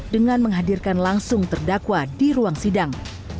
dengan menghadirkan langsung terdakwa di ruang sidang